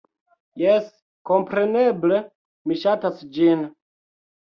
"Jes, kompreneble, mi ŝatas ĝin!